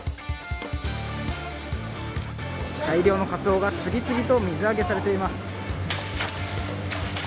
大量のカツオが次々と水揚げされています。